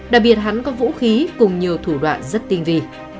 đặc biệt hắn có vũ khí cùng nhiều thủ đoạn rất tinh vị